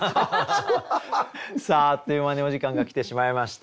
さああっという間にお時間が来てしまいました。